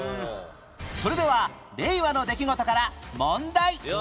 それでは令和の出来事から問題